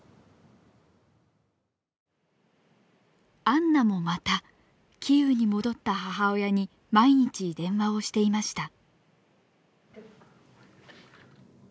アンナもまたキーウに戻った母親に毎日電話をしていました。